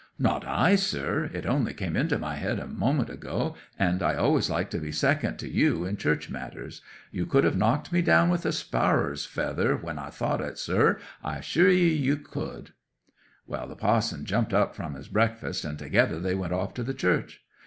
'"Not I, sir! It only came into my head a moment ago, and I always like to be second to you in church matters. You could have knocked me down with a sparrer's feather when I thought o't, sir; I assure 'ee you could!" 'Well, the parson jumped up from his breakfast, and together they went off to the church.